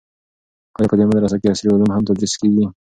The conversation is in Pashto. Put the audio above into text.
آیا په دې مدرسه کې عصري علوم هم تدریس کیږي؟